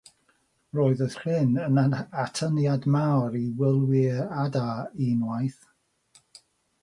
Roedd y llyn yn atyniad mawr i wylwyr adar unwaith.